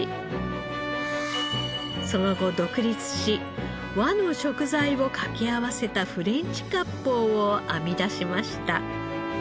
その後独立し和の食材をかけ合わせたフレンチ割烹を編み出しました。